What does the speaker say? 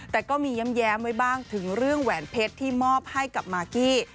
แต่ก็มีแย้มไว้บ้างถึงเรื่องแหวนเพชรที่มอบให้กับมากกี้